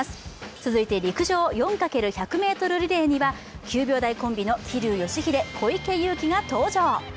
続いて陸上、４×１００ｍリレーには９秒台コンビの桐生祥秀、小池祐貴が登場。